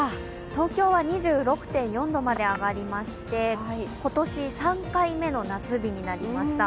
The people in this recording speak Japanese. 東京は２６．４度まで上がりまして今年３回目の夏日になりました。